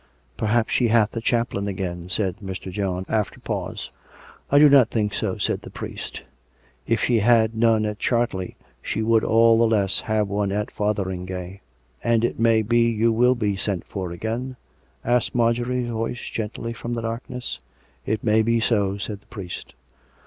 " Perhaps she hath a chaplain again," said Mr. John, after pause. " I do not think so," said the priest. " If she had none at Chartley, she would all the less have one at Fotherin gay " "And it may be you will be sent for again?" asked Marjorie's voice gently from the darkness. " It may be so," said the priest.